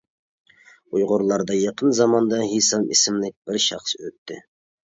ئۇيغۇرلاردا يېقىن زاماندا ھىسام ئىسىملىك بىر شەخس ئۆتتى.